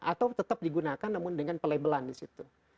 atau tetap digunakan namun dengan pelabelan disitu